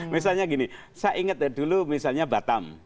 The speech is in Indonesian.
misalnya gini saya ingat dulu misalnya batam